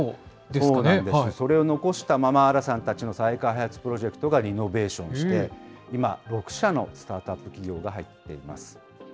それを残したまま、荒さんたちの再開発プロジェクトがリノベーションして、今、６社のスタートアップ企業が入っています。